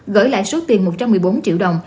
gửi lại số tiền một trăm một mươi bốn triệu đồng